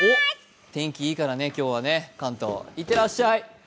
天気いいからね、今日はね関東、いってらっしゃい。